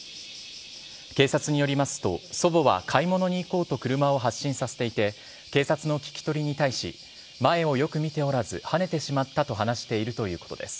警察によりますと、祖母は買い物に行こうと車を発進させていて、警察の聞き取りに対し、前をよく見ておらず、はねてしまったと話しているということです。